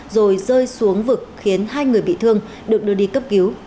rồi rơi xuống vực khiến hai người bị thương được đưa đi cấp cứu